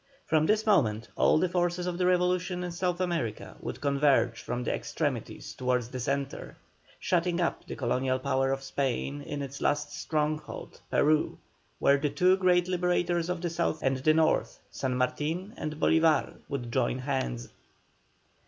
From that moment all the forces of the revolution in South America would converge from the extremities towards the centre, shutting up the colonial power of Spain in its last stronghold, Peru, where the two great liberators of the South and the North, San Martin and Bolívar, would join hands.